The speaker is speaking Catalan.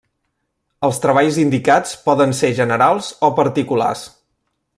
Els treballs indicats poden ser generals o particulars.